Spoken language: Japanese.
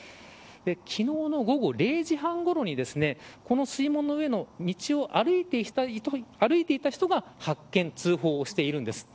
昨日の午後０時半ごろにこの水門の上の道を歩いていた人が発見通報したというんです。